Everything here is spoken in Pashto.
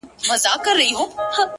چاته يادي سي كيسې په خـامـوشۍ كــي.